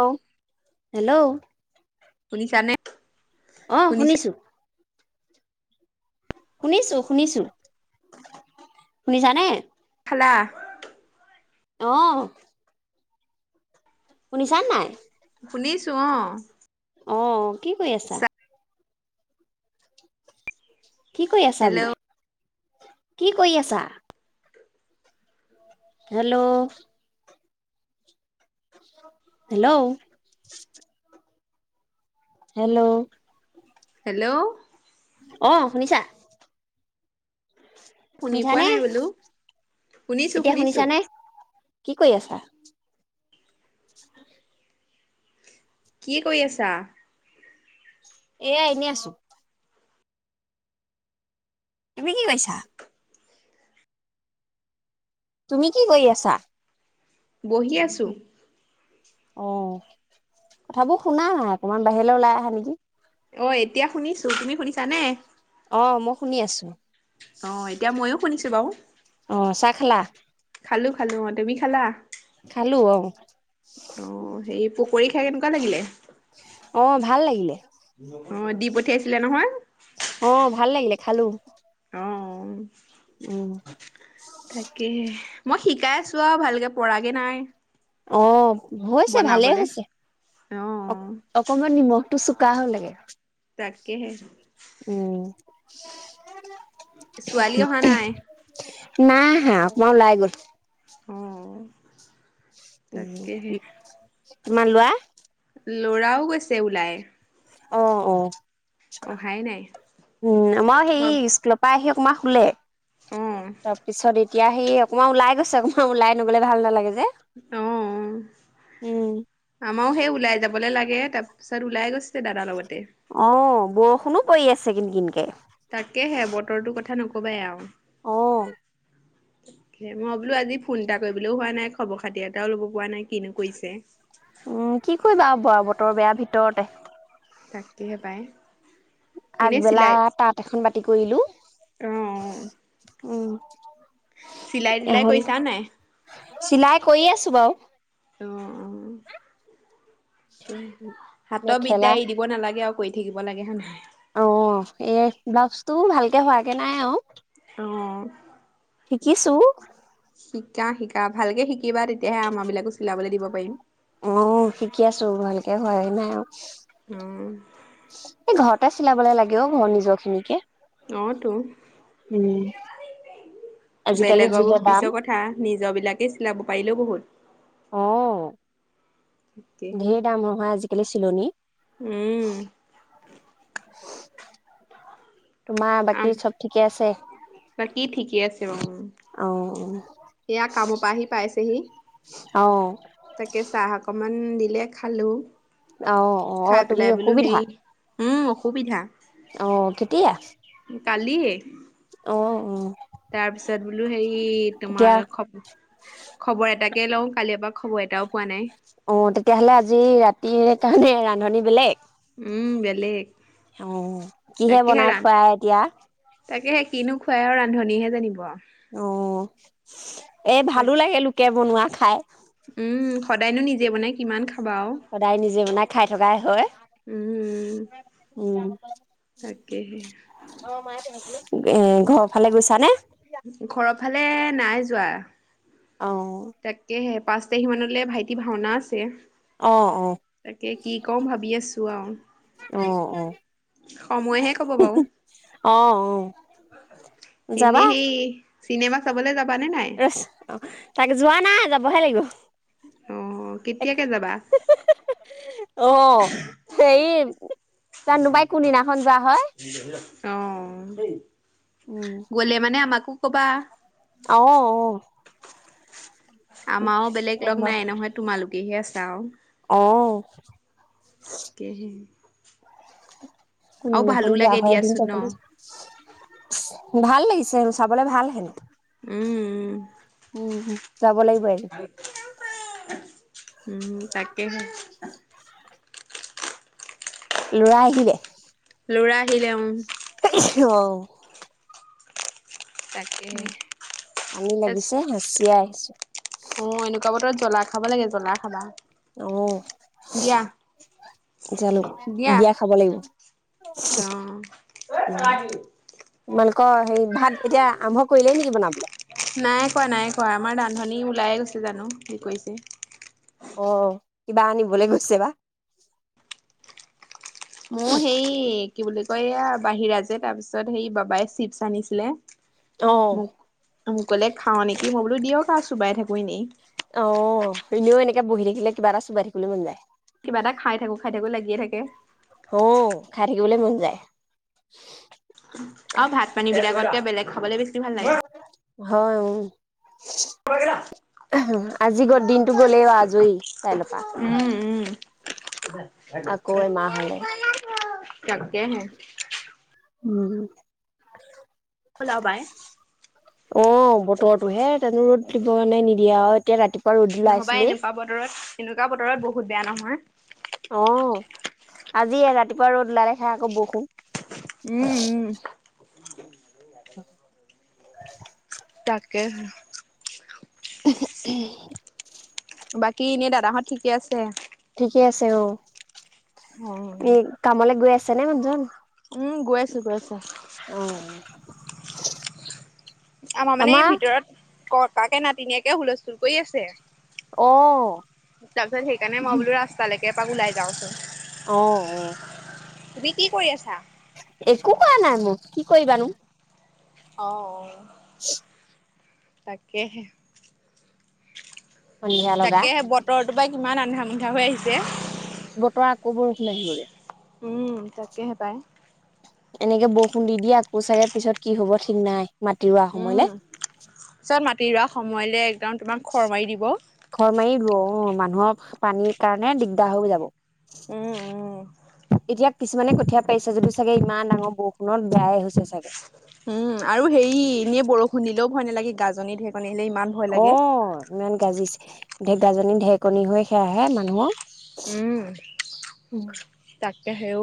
অহ ', hello শুনিছা নে অহ ', শুনিছো। শুনিছো- শুনিছো, শুনিছানে? খেলা অহ ', শুনিছান নাই? শুনিছো অহ ', অহ ', কি কৰি আছা? কি কৰি আছা হেল্ল' বোলো? কি কৰি আছা? হেল্ল', হেল্ল', হেল্ল', হেল্ল', অ, শুনিছা? শুনি পোৱা শুনিছানে নাই বোলো শুনিছো- এতিয়া শুনিছো। শুনিছানে কি কৰি আছা? কি কৰি আছা? এয়া এনেই আছো। তুমি কি কৰিছা? তুমি কি কৰি আছা? বহি আছো। অ ', কথাবোৰ শুনা নাই অকমান বাহিৰলৈ ওলাই আহা নেকি? অ', এতিয়া শুনিছো। তুমি শুনিছানে? অ', মই শুনি আছো। অ ', এতিয়া ময়ো শুনিছো বাৰু অ চাহ খালা খালো- খালো অ', তুমি খালা? খালো অ অহ, সেই পকৰি খাই কেনেকুৱা লাগিলে? অ ', ভাল লাগিলে। অ', দি পঠিয়াইছিলে নহয়। অ', ভাল লাগিলে খালো। অহ ', উম, ' তাকে, মই শিকাই আছো আৰু ভালকে পৰাগে নাই। অহ ', হৈছে, ভালেই বনাবলে হৈছে। অ, ' অকমান নিমখ, -টো চুকা হ'ল লাগে। তাকেহে। উম', ছোৱালী অহা নাই? নাই আহা, অকমান উলাই গল। অ', তাকেহে উম', তোমাৰ ল'ৰা? ল'ৰাও গৈছে, ওলাই। অ', অ',। অহাই নাই উম, মই হেৰি স্কুলৰ পৰা আহি, সুমা, শুলে। অ তাৰপিছৰ বিধ এতিয়া সি অকণমান ওলাই গৈছে, অকমান ওলাই নবলে ভাল নালাগে। যে। অ, উম, আমাৰও সেই ওলাই যাবলে লাগে, তাৰপিছত। ওলাই গৈছে দাদাৰ লগত। অ, বৰষুণত। কৰি আছে, কিনকিনকৈ। তাকেহে বতৰটোৰ কথা নকবাই আৰু। অহ। মই বোলো আজি ফোন এটা কৰিবলৈও হোৱা নাই, খবৰ খাতি এটাও ল'ব প নাই কিনো কৈছে? উম, কি কৰিবা আৰু বতৰ বেয়াৰ ভিতৰতে। থাকটহে পায়। আগবেলা তাঁত এখন বাতি কৰিলো অ অ উম। [unintelligible] চিলাই তিলাই হ'ল কৰিছা নাই? চিলাই কৰি আছো বাৰু। অ', অ। হাতৰ মেখেলা বিদ্যা এৰি দিব নালাগে আৰু। কৰি থাকিবাগে হয়, নাই। অ, এই ব্লাউচটো ভালকে হোৱাকে নাই আও। অ। শিকিছো। শিকা, শিকা ভালকে শিকিবা তেতিয়াহে আমাৰ বিলাকো চিলাবলৈ দিব পাৰিম। অ, শিকি আছো ভালকে হয় নাই আৰু। অ। এই ঘৰতে চিলাবলে লাগেও ঘৰ নিজৰ খিনিকে। অতো। উম, আজিকালি বেলেগৰ যিহে দাম পিছৰ কথা নিজ বিলাকেই চিলাব পাৰিলেও বহুত। অ', ঢেৰ দাম নহয় আজি। কেলে চিলনী। উম। তোমাৰ বাকী আম চব ঠিকে আছে বা কি ঠিকে আছে বাৰু অ', সয়া কামৰ পৰা আহি পাইছেহি। অ', তাকে চাহ। অকমান দিলে খালো। অহ অ অ তুমি অসুবিধা। সসুবিধা। অ কেতিয়া। কালি অ', অ', তাৰপিছত বোলো হেৰি তেতিয়া তোমাৰ খ খবৰ তাকে লওঁ কালি পৰা খবৰ এটাও পোৱা নাই অঁ তেতিয়াহলে আজি ৰাতি তাৰমানে ৰান্ধনী বেলেগ বেলেগ অঁ কিহে তাকেহে বনাই ৰান্ধ খুৱাই এতিয়া তাকেহে কিনো খুৱাই আৰু ৰান্ধনীহে জানিব অঁ, এ তাক ভালো লাগিল লোক বনোৱা খায় উম সদায়নো নিজে বনাই কিমান খাম সদায় নিজে বনাই খাই থকাই হয় উম উম তাকেহে এ ঘৰৰ ফালে গৈছা নে ঘৰৰ ফালে নাই যোৱা অঁ, তাকেহে পাঁচ তাৰিখমানলৈ ভাইটি ভাওঁনা আছে অ অ তাকে কি কওঁ ভাবি আছো আৰু অ অ সময়হে কব বাৰু অ অ এনে সেই চিনেমা চাবলৈ যাব এ তাকে যোৱা নাই যাবহে লাগিব অ কেতিয়াকে যাবা অঁ, হেৰি জানোবাই কোনদিনাখন যোৱা হয় অঁ, উম আঁহ অঁ, আমাৰওঁ বেলেগ লগ নাই নহয় তোমালোক তেতিয়হে চাওঁ অঁ তেহে আৰু কোনদিনাখন ভালো যোৱা লাগে হয় এদিন দিয়াচোন যাবলৈ ন ভাল লাগিছে চাবলৈ ভাল হেন উম উম যাব লাগিব আৰু উম উম তাকেহে লৰা আহিলে লৰা আহিলে উম অঁ তাকেহে। উম আনি লাগিছে হাঁচিয়াই আহিছো অ এনেকুৱা বতৰত জ্বলা খাব লাগে, জ্বলা খাবা। অহ দিয়া জালুক দিয়া। বিয়া খাব লাগিব, উ তোমালোক হয় হেৰি ভাত এতিয়া আৰম্ভ কৰিলেই নেকি বনাবলে? নাই কোৱা নাই খ আমাৰ ৰাান্ধনী ওলাই গৈছে জানো কি কৰিছে অহ কিবা আনিবলৈ গৈছে বা মোৰ সেই, কি বুলি কইয়া বাহিৰা যে তাৰ পিছত সেই বাবাই চিপছ আনিছিলে অঁ মোক মোক কলে খাওঁ নেকি? মই বোলো দিয়ক আ চোবাই থাকো এনেই অঁ এনেও এনেকে বহি থাকিলে কিবা এটা চোবাই থাকিবলৈ মন যায়। কিবা এটা খাই থাকো খাই থাকো লাগিয়ে থাকে অঁ খাই থাকিবলৈ মন যায়। অঁ ভাত পানীবিলাকতকে খাবলে বেছি ভাল লাগে হয় উম। [unintelligible] আজি গত দিনটো গ'লেই আজয়ি কাইলৰ পা উম উম এমাহ হ'লে, [unintelligible] তাকেহে উম ওলাবাই অঁ বতৰটোহে, তেনো ৰ'দ দিবনে নিদিয়ে আও এতিয়া ৰাতিপুৱ নহবা এনেকুৱা বতৰত এনেকুৱা বতৰত বহুত বেয়া নহয় অঁ আজিয়ে ৰাতিপুৱা ৰ'দ ওলালেহে আকৌ বৰষুণ উম উম [inaudible] তাকেহে [inaudible] বাকী ইনেই দাদাহঁত ঠিকে আছে? ঠিকে আছে ঔ অ এই কামলে গৈ আছ আছে নে মানুহজন উম গৈ আছো গৈ আছো। অহ আমাৰ মানে এই ভিতৰত ক তাকে নাতিনীয়েকে হুলস্থূল কৰি আছে অঁ তাৰপিছত সেইকাৰণে মই বোলো ৰাস্ত লে। এপাক ওলাই যাওঁচোন। অহ অ। তুমি কি কৰি আছা। একো কোৰা নাই মোক কি কৰিবানো। অ অ। [unintelligible] তাকেহে। সন্ধিয়া লগা তাকেহে বতৰ ত পৰাাই কিমান আন্ধা মন্ধা হৈ আহিছে। বতৰ আকৌ বৰসি [unintelligible] উম তাকেহে পায়। এনেকে বৰষুণ দি দিয়ে আকৌ চাগে পিছত কি হব ঠিক নাই। মাটি ৰোৱা উম সময়লে। চান মাতিৰাস। সময়লৈ। তেওঁ তোমাক খৰ মাৰি দিব। উ, মানুহক পানীৰ কাৰণে দিগদাৰ হৈ যাব। উম উম। এতিয়া কিছুমানে কঠীয়া পাৰিছে, যদিও চাগে ইমান ডাঙৰ বৰষুণত বেয়াই হৈছে চাগে। উম আৰু হেৰি এনে বৰষুণ দিলেও ভয় নালাগে গাজনি ঢেকনি। আহিলে ইমান ভয় লাগে। অহ ইমান গাজিছে। ঢেগাজনী ঢেৰকনী হৈ সেয়াহে মানুহৰ। উম তাক। দে হেও।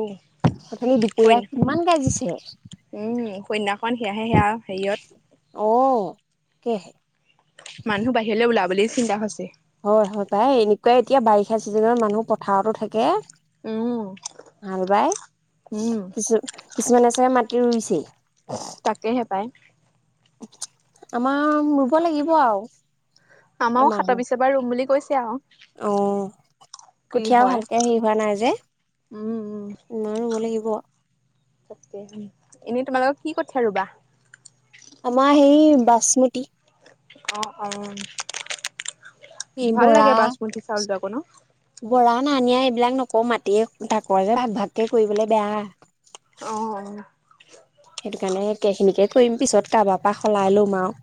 তথাপি দুপৰীয়া সইন কিমান গাজিছে। কইন্যাখন সেয়া হেয়া। হেৰিয়ত। অঁ কি মানুহ বাহিৰলৈ ওলাবলৈ চিন্তা হৈছে। হয় হয় পাই এনেকুৱাই এতিয়া বাৰিষা চিজনত মানুহ পথাৰতো থাকে। উম। ভাল বাই উম, কিছু কিছুমানে চাগে মাটি ৰুইছেই। তাকেহে পায়। আমাৰ ৰুব লাগিব আৰু। আমাৰও এমাহ সাত মান বিছ এবাৰ ৰুম বুলি কৈছে। তেওঁ। অ কঠীয়াও হয়। ভালকে হেৰি হোৱা নাই যে উম, উম, ন' ৰুব লাগিব। গ। তাকে এনেই তোমালোক কি কঠীয়া ৰুবা? আমাৰ সেই বাচমতি। অ আৰু এই ভাল বৰা লাগে বাচমতি চাউল যাব ন' বৰা নানিয়া এইবিলাক নকওঁ মাটিয়ে তাত আগ ভাগকে কৰিবলৈ বেয়া অ', অ'। সেইটো কাৰণে কেঁচুৰিকে কৰিম পিছত কাবাৰ পা সলাই লম আৰু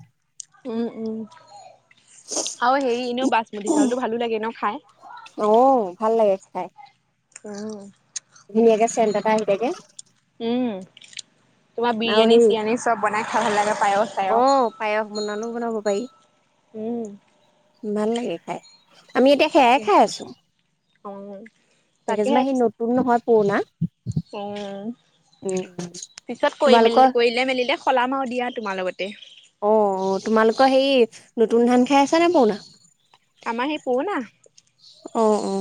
উম উম আৰু হেৰি এনেও বাচমতী চাউলটো ভালো লাগে ন খাই অঁ ভাল লাগে খাই আহ ধুনীয়া কে চেণ্ট এটা আহি থাকে। উম তোমাৰ আৰু বিৰিয়ানী হেৰি চিৰিয়ানী চব বনাই খাই ভাল লাগে পায়স অ চায়স পায়স বনালেও বনাব পাৰি। উম ভাল লাগে খাই। আমি এতিয়া সেয়াই তাকে। খাই আছো। অ তাকে যে সি নতুন নহয়। পুৰণা অ উম পিছত কৰি মেল তোমালোকৰ কৰিলে মেলিলে সলাম আৰু দিয়া তোমাৰ লগতে আকৌ হেৰি নতুন ধান খাই আছা নে পুৰণা? আমাৰ সেই পুৰণা অ অ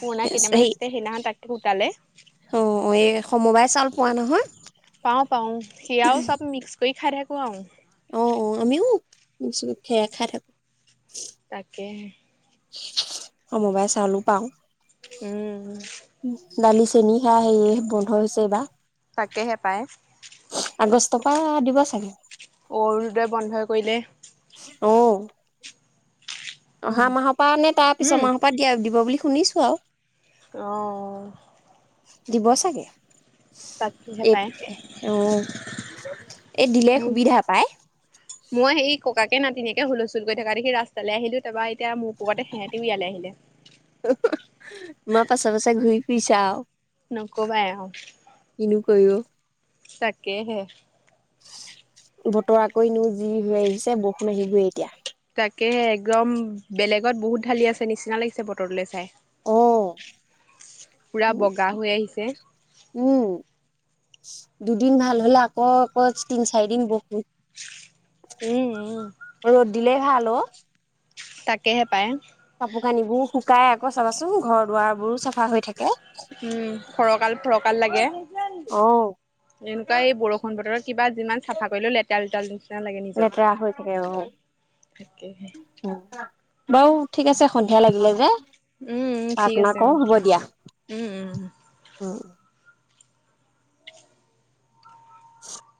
পুৰণা হেৰি কেইটামানছিলে সেইদিনাখন তাকেই গোটালে সমবাই চাউল পোৱা নহয়। পাঁও পাওঁ সেয়াও চব মিক্স কৰি খাৰ থাকো আৰু অ অ আমিও খে খাই থাকো তাকে অ মবাই চাউলো পাওঁ। উম দালি চেনি সেয়া সেয় বন্ধ হৈছে এই বাৰ তাকেহে পায়। আগষ্টৰ পৰা দিব চাগে অৰুণোদয় বন্ধ কৰিলে অ অহা উম। মাহৰ পৰা নে তাৰ পিছৰ মাহৰ পৰা দিয়া দিব বুলি শুনিছোঁ আৰু অঁ দিব চাগে এই পায় উ এই দিলে উম। সুবিধা পায় াকে [unintelligible] নাতিনাকে হুল হচুল কৰি থকা দেখি ৰা্তালৈ আহিলো তাৰৰা তেতিয়া মোৰ পকতে সিহঁতিও ইয়ালৈ আহিলে। মই পাছ পাছে ঘুৰি ফুৰিছাও। নকবাই আৰুৎ ক [unintelligible] তাকেহে। বতৰা কৰিনো যি হৈ আহিছে বৰষুণ আহিবই এতিয়া। তাকেহে একদম বেলেগত বহুত ঢালি আছে নিচিনা লাগিছে বতৰটোলৈ চাই। অঁ। পুৰা বগা হৈ আহিছে। যে উম, দুদিন ভাল হলে আকৌ আকৌ তিন চাৰি দিন বহো উম উম ৰ'দ দিলেই ভাল হেল্ল'? তাকেহে পায়। কাপোৰ কানিবোৰ শুকাই আকৌ চাবাচোন ঘৰ দুৱাৰ বোৰো চাফা হৈ থাকে। উম ফৰকাল ফৰকাল লাগে, অ এনেকুৱা এই বৰষুণ বতৰ কিবা যিমান চাফা কৰিলো লেতেৰা ল তালু লেতেৰা হৈ থাকে অঁ, তাকেহে উম বাৰু ঠিক আছে সন্ধিয়া লাগিলে যে উম উম ঠিক প্ৰাৰ্থনা আছে কৰো অঁ, হ'ব দিয়া উম উম। উম [inaudible]